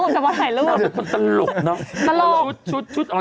จากพอถ่ายรูป